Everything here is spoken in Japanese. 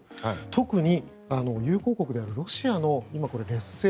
特に、友好国であるロシアの劣勢